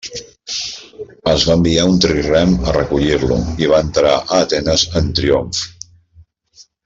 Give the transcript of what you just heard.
Es va enviar un trirrem a recollir-lo i va entrar a Atenes en triomf.